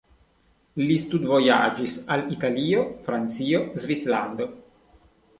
Li studvojaĝis al Italio, Francio, Svislando.